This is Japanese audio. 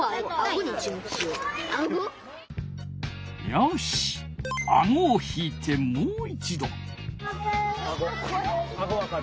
よしあごを引いてもう一度。